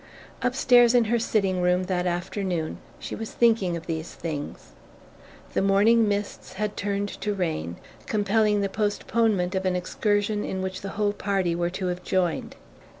Upstairs in her sitting room, that afternoon, she was thinking of these things. The morning mists had turned to rain, compelling the postponement of an excursion in which the whole party were to have joined.